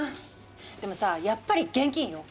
でもさあやっぱり現金よ。